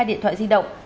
hai điện thoại di động